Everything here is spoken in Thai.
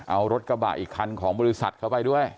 เอารถกระบะอีกคันของบริษัทเข้าไปด้วย